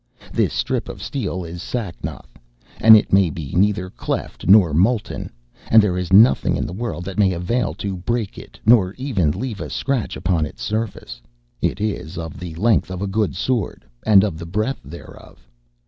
This strip of steel is Sacnoth, and it may be neither cleft nor molten, and there is nothing in the world that may avail to break it, nor even leave a scratch upon its surface. It is of the length of a good sword, and of the breadth thereof.